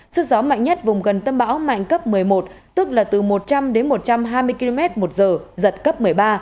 sức gió mạnh nhất vùng gần tâm bão mạnh cấp một mươi một tức là từ một trăm linh đến một trăm hai mươi km một giờ giật cấp một mươi ba